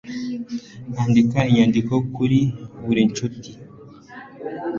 Andika inyandiko kuri Ubucuti